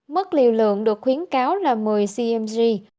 mức liều lượng được khuyến cáo là một mươi cm